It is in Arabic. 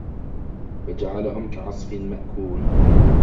فجعلهم كعصف مأكول